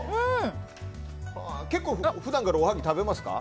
結構普段から、おはぎ食べますか？